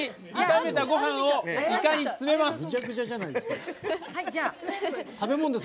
炒めたごはんをいかに詰めます。